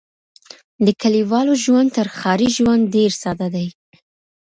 د کليوالو ژوند تر ښاري ژوند ډېر ساده دی.